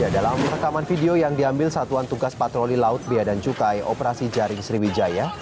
dalam rekaman video yang diambil satuan tugas patroli laut bea dan cukai operasi jaring sriwijaya